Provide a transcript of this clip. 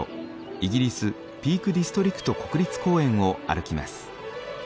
イギリスピークディストリクト国立公園を歩きます。